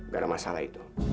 gak ada masalah itu